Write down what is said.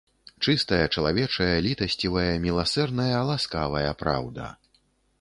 Чыстая, чалавечая, літасцівая, міласэрная, ласкавая праўда.